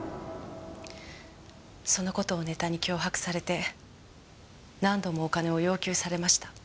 その事をネタに脅迫されて何度もお金を要求されました。